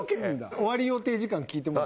終わり予定時間聞いてもらって。